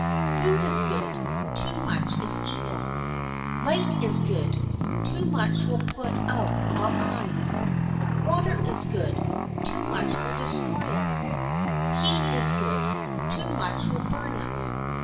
Food is good; too much is evil. Light is good; too much will put out our eyes. Water is good; too much will destroy us. Heat is good; too much will burn us.